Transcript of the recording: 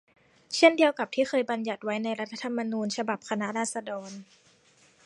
เช่นเดียวกับที่เคยบัญญัติไว้ในรัฐธรรมนูญฉบับคณะราษฎร